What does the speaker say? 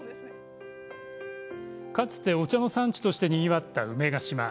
かつて、お茶の産地としてにぎわった梅ケ島。